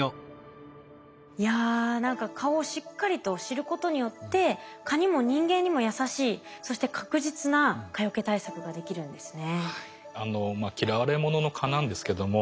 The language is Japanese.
いや何か蚊をしっかりと知ることによって蚊にも人間にも優しいそして確実な蚊よけ対策ができるんですね。